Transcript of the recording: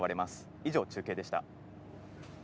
以上、中継でした。